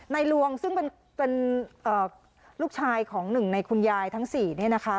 ลวงซึ่งเป็นลูกชายของหนึ่งในคุณยายทั้ง๔เนี่ยนะคะ